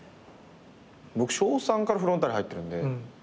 僕小３からフロンターレ入ってるんで。